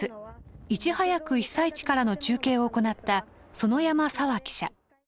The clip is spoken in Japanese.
いち早く被災地からの中継を行った園山紗和記者。